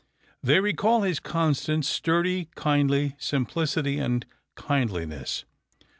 They recall his constant, sturdy, kindly simplicity and kindliness.